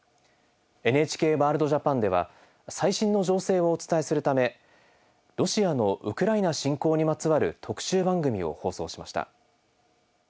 「ＮＨＫワールドＪＡＰＡＮ」では最新の情勢をお伝えするためロシアのウクライナ侵攻にまつわる特集番組を放送しました。